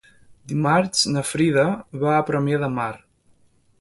Dimarts na Frida va a Premià de Mar.